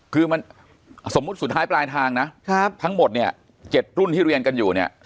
คือมันสมมุติสุดท้ายปลายทางนะทั้งหมดเนี่ย๗รุ่นที่เรียนกันอยู่เนี่ย